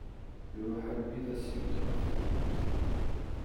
Iruḥ almi i d as-ibed ɣef tewwurt.